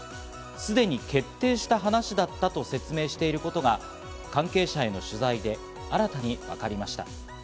すでに決定した話だったと説明していることが関係者への取材で新たに分かりました。